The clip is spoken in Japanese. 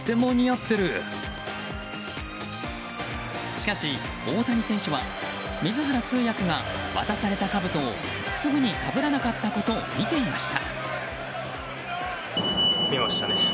しかし、大谷選手は水原通訳が渡されたかぶとをすぐに被らなかったことを見ていました。